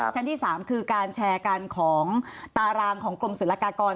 ชั้นที่๓คือการแชร์กันของตารางของกรมศุลกากร